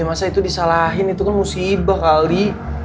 masa itu disalahin itu kan musibah kali